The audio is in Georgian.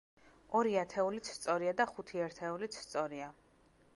ორი ათეულიც სწორია და ხუთი ერთეულიც სწორია.